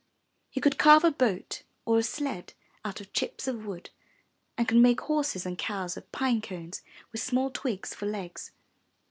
He could carve a boat or a sled out of chips of wood and could make horses and cows of pine cones with small twigs for legs.